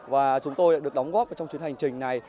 và chúng tôi được đóng góp trong chuyến hành trình này